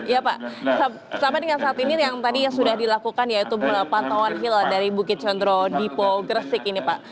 ya pak sampai dengan saat ini yang tadi sudah dilakukan yaitu pantauan hilal dari bukit condro dipo gresik ini pak